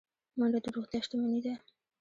منډه د روغتیا شتمني ده